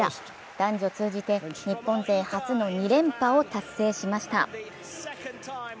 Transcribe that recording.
男女通じて日本勢初の２連覇を達成しました。